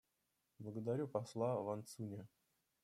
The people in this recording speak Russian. Благодарю посла Ван Цюня.